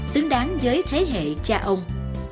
xứng đáng với thế hệ cha ông